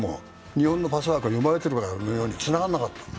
日本のパスワークは読まれてるかのように、つながらなかった。